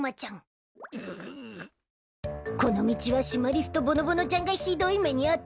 この道はシマリスとぼのぼのちゃんがひどい目に遭った呪われし道。